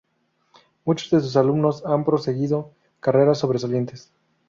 Muchos de sus alumnos han proseguido carreras sobresalientes.